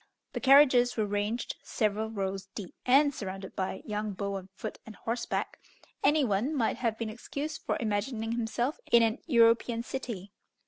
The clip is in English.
The carriages were ranged several rows deep, and surrounded by young beaux on foot and horseback; any one might have been excused for imagining himself in an European city.